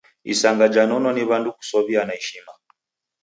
Isanga janonwa ni w'andu kusow'iana ishma.